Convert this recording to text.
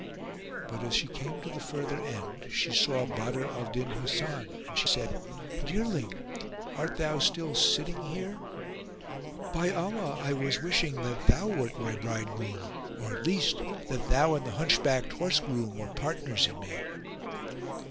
But as she came to the further end she saw Badr al Din Hasan and she said, "Dearling! Art thou still sitting here? By Allah I was wishing that thou wert my bridegroom or, at least, that thou and the hunchbacked horse groom were partners in me."